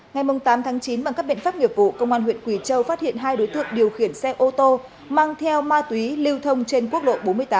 ngày tám chín bằng các biện pháp nghiệp vụ công an huyện quỳ châu phát hiện hai đối tượng điều khiển xe ô tô mang theo ma túy lưu thông trên quốc lộ bốn mươi tám